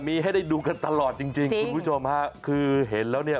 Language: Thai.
มีให้ได้ดูกันตลอดจริงจริงคุณผู้ชมฮะคือเห็นแล้วเนี่ย